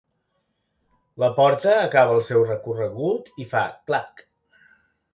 La porta acaba el seu recorregut i fa clac.